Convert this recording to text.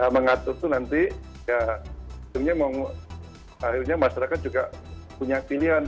mengatur itu nanti akhirnya masyarakat juga punya pilihan